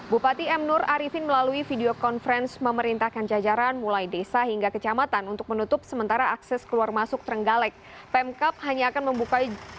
bupati m nur arifin melalui video conference memerintahkan jajaran mulai desa hingga kecamatan untuk menutup sementara akses keluar masuk trenggalek